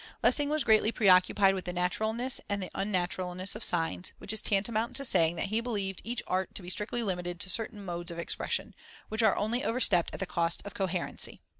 Lessing was greatly preoccupied with the naturalness and the unnaturalness of signs, which is tantamount to saying that he believed each art to be strictly limited to certain modes of expression, which are only overstepped at the cost of coherency.